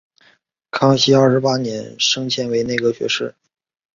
康熙二十八年升迁为内阁学士。